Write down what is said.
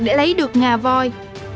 để lấy được ngà voi